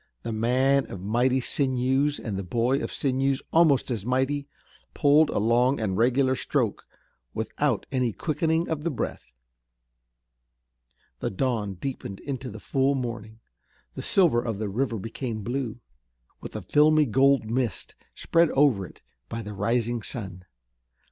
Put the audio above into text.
The man of mighty sinews and the boy of sinews almost as mighty, pulled a long and regular stroke, without any quickening of the breath. The dawn deepened into the full morning. The silver of the river became blue, with a filmy gold mist spread over it by the rising sun.